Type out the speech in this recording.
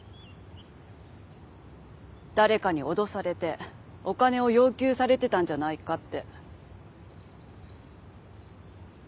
誰かに脅されてお金を要求されてたんじゃないかって。